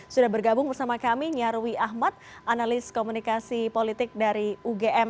sudah bergabung bersama kami nyarwi ahmad analis komunikasi politik dari ugm